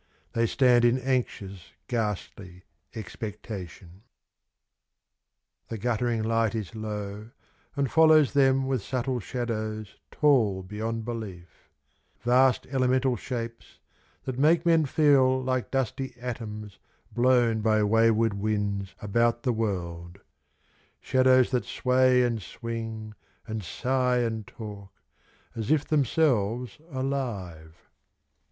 . stand m anxious, ghastly expectation. The guttering light is low and follows them With subtle shadows tall beyond belief :\ ast elemental shapes that make men I Like dust] atoms blown by wayward winds About the World ; shadows that BWay and swing And sik'h and talk, as if themselves alive.